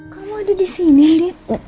kamu ada disini indit